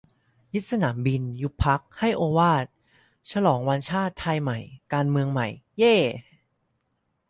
ยึดสนามบิน ยุบพรรค ให้โอวาท ฉลองวันชาติไทยใหม่ การเมืองใหม่ เย่ !